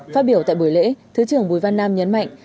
phát biểu tại buổi lễ thứ trưởng bùi văn nam nhấn mạnh